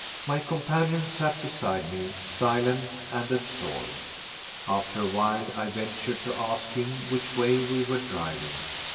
My companion sat beside me, silent and absorbed. After a while I ventured to ask him which way we were driving.